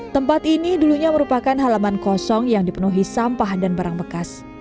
tempat ini dulunya merupakan halaman kosong yang dipenuhi sampah dan barang bekas